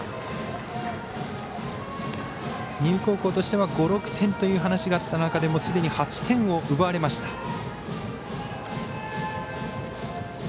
丹生高校としては５６点という話があった中ですでに８点を奪われました。